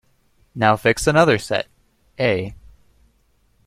Now fix another set, "A".